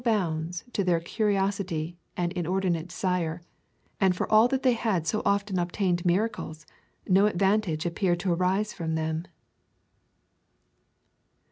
bounds to their curiosity and inordinate desire, and for all that they had so often obtained miracles, no advantage ap peared to arise from them.